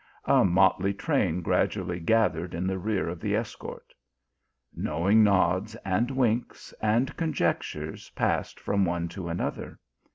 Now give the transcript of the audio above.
A motley train gradually gathered in the rear of the escort. Knowing nods, and winks, and conjectures passed from one to another.